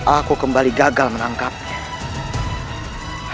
aku kembali gagal menangkapnya